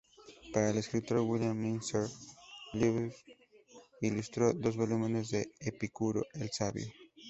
Para el escritor William Messner-Loebs, ilustró dos volúmenes de Epicuro el sabio.